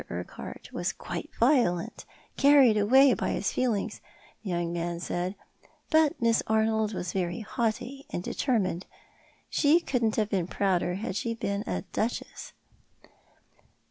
Urquhart was quite violent — carried away by his feelings, the young man said — but Miss Arnold was very haughty and determined; she couldn't have been prouder had she been a duchess."